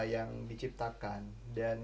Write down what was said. yang diciptakan dan